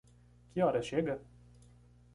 Que horas chega?